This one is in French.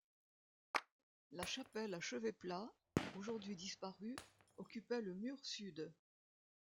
La chapelle à chevet plat, aujourd’hui disparue, occupait le mur sud.